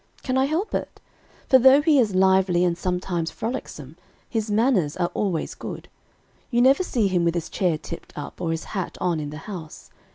Can I help it? For though he is lively and sometimes frolicsome, his manners are always good. You never see him with his chair tipped up, or his hat on in the house.